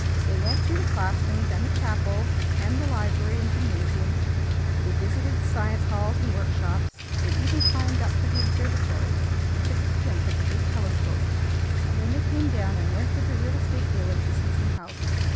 They went through the classrooms and the chapel and the library and gymnasiums. They visited the science halls and workshops. They even climbed up to the observatory, and took a squint at the big telescope, and then they came down and went with a real estate dealer to see some houses.